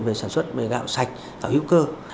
về sản xuất về gạo sạch tạo hữu cơ